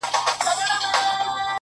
• د پامیر لوري یه د ښکلي اریانا لوري؛